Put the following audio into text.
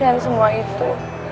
dan semua itu